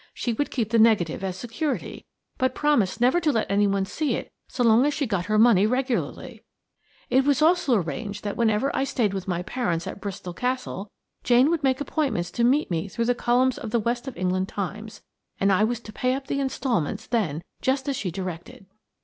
She would keep the negative as security, but promised never to let anyone see it so long as she got her money regularly. It was also arranged that whenever I stayed with my parents at Bristol Castle, Jane would make appointments to meet me through the columns of the West of England Times, and I was to pay up the instalments then just as she directed."